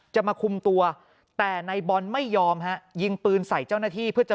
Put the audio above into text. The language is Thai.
จะมาคุมตัวแต่นายบอลไม่ยอมฮะยิงปืนใส่เจ้าหน้าที่เพื่อจะ